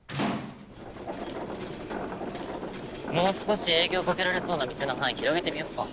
もう少し営業かけられそうな店の範囲広げてみよっか。